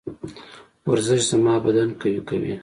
ورزش زما بدن قوي کوي.